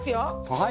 はい。